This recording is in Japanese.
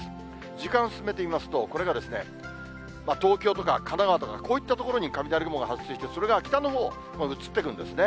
時間進めてみますと、これが東京とか神奈川とかこういった所に雷雲が発生して、それが北のほう、移っていくんですね。